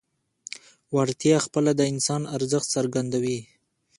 وړتیا خپله د انسان ارزښت څرګندوي.